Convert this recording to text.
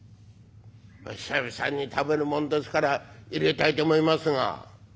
「久々に食べるもんですから入れたいと思いますが」。